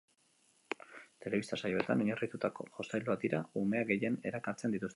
Telebista saioetan oinarritutako jostailuak dira umeak gehien erakartzen dituztenak.